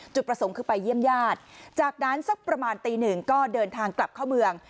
จุดประสงค์คือไปเยี่ยมญาติจากนั้นสักประมาณตีหนึ่งก็เดินทางกลับเข้าเมือง